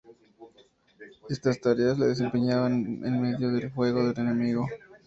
Estas tareas las desempeñaban en medio del fuego del enemigo.